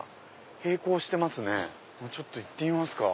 平行してますねちょっと行ってみますか。